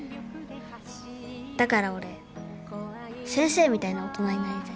だから俺先生みたいな大人になりたい。